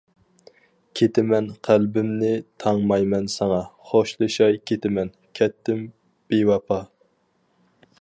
كىتىمەن قەلبىمنى تاڭمايمەن ساڭا، خوشلىشاي كىتىمەن، كەتتىم بىۋاپا.